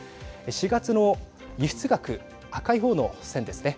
４月の輸出額赤い方の線ですね。